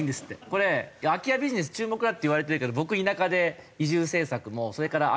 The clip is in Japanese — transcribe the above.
これ空き家ビジネス注目だっていわれてるけど僕田舎で移住政策もそれから空き家を活用する事業